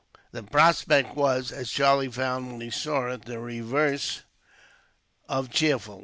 The prospect was, as Charlie found when he saw it, the reverse of cheerful.